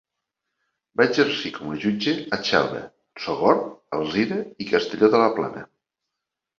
Va exercir com a jutge a Xelva, Sogorb, Alzira i Castelló de la Plana.